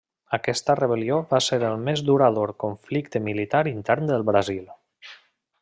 Aquesta rebel·lió va ser el més durador conflicte militar intern del Brasil.